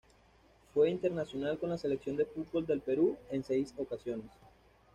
Fue internacional con la selección de fútbol del Perú en seis ocasiones.